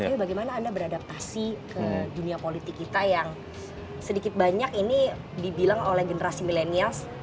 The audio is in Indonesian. tapi bagaimana anda beradaptasi ke dunia politik kita yang sedikit banyak ini dibilang oleh generasi milenials